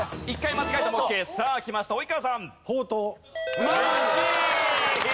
素晴らしい！